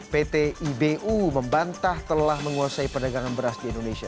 pt ibu membantah telah menguasai perdagangan beras di indonesia